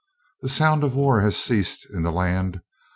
The sound of war had ceased in the land.